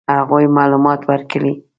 هغوی معلومات ورکړي.